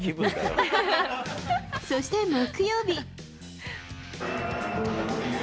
そして木曜日。